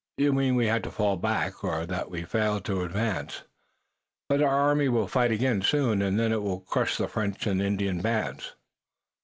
"You mean we had to fall back, or that we failed to advance? But our army will fight again soon, and then it will crush the French and Indian bands!"